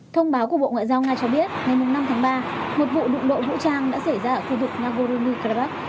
thông báo của bộ ngoại giao nga cho biết ngày năm tháng ba một vụ đụng độ vũ trang đã xảy ra ở khu vực nagorno karabakh